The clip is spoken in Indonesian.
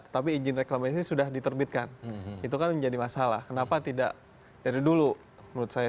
tetapi izin reklamasi sudah diterbitkan itu kan menjadi masalah kenapa tidak dari dulu menurut saya